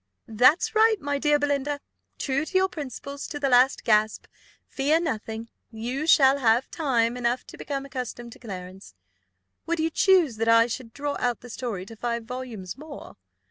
"That's right, my dear Belinda; true to your principles to the last gasp. Fear nothing you shall have time enough to become accustomed to Clarence. Would you choose that I should draw out the story to five volumes more?